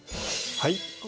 はい。